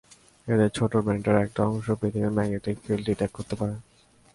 ওদের ছোট্ট ব্রেইনের একটা অংশ পৃথিবীর ম্যাগনেটিক ফিল্ড ডিটেক্ট করতে পারে।